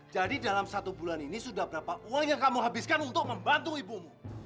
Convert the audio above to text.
jadi dalam satu bulan ini sudah berapa uang yang kamu habiskan untuk membantu ibumu